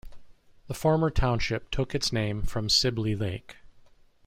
The former township took its name from Sibley Lake.